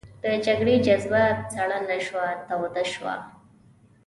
د جګړې جذبه سړه نه شوه توده شوه.